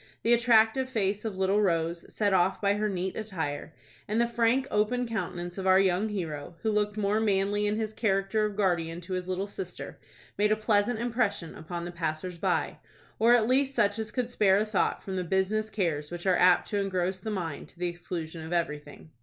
The attractive face of little Rose, set off by her neat attire, and the frank, open countenance of our young hero, who looked more manly in his character of guardian to his little sister, made a pleasant impression upon the passers by, or at least such as could spare a thought from the business cares which are apt to engross the mind to the exclusion of everything.